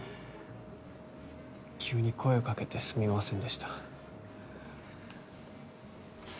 急に声をかけてすみませんでした